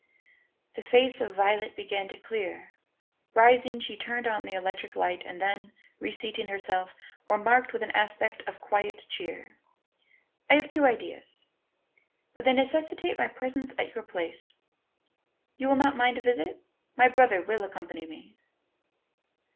The face of Violet began to clear. Rising, she turned on the electric light, and then, reseating herself, remarked with an aspect of quiet cheer: "I have two ideas; but they necessitate my presence at your place. You will not mind a visit? My brother will accompany me."